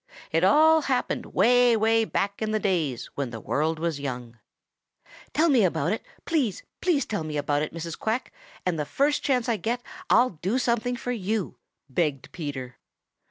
"It all happened way, way back in the days when the world was young." "Tell me about it! Please, please tell me about it, Mrs. Quack, and the first chance I get, I'll do something for you," begged Peter.